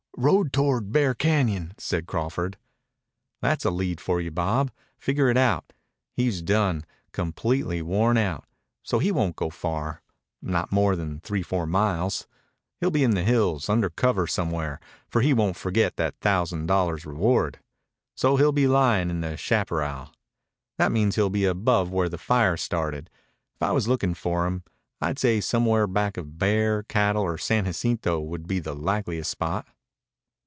"Rode toward Bear Cañon," said Crawford. "That's a lead for you, Bob. Figure it out. He's done completely worn out. So he won't go far not more than three four miles. He'll be in the hills, under cover somewhere, for he won't forget that thousand dollars reward. So he'll be lying in the chaparral. That means he'll be above where the fire started. If I was looking for him, I'd say somewhere back of Bear, Cattle, or San Jacinto would be the likeliest spot."